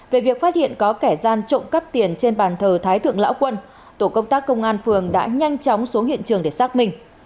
về việc phát hiện có kẻ gian trộm cắp tiền trên bàn thờ thái thượng lão quân tổ công tác công an phường đã nhanh chóng xuống hiện trường để xác minh